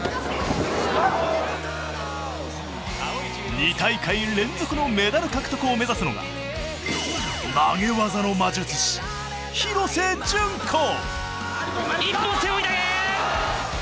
２大会連続のメダル獲得を目指すのが投げ技の魔術師一本背負い投げ！